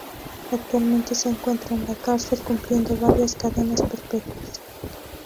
Actualmente se encuentra en la cárcel cumpliendo varias cadenas perpetuas.